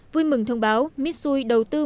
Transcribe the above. vui mừng thông báo mitsui đầu tư